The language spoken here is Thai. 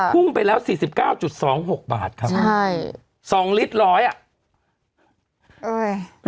พุ่งไปแล้วสี่สิบเก้าจุดสองหกบาทครับใช่สองลิตรร้อยอ่ะเอ้ย